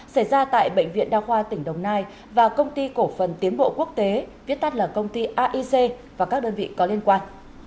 xảy ra tại bệnh viện đa khoa tỉnh đồng nai và công ty cổ phần tiến bộ quốc tế viết tắt là công ty aic và các đơn vị có liên quan